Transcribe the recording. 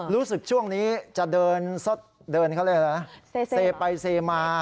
รู้สึกช่วงนี้เจอเดินไปเซมา